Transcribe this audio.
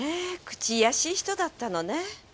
口いやしい人だったのね。